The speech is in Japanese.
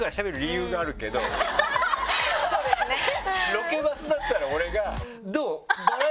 ロケバスだったら俺が。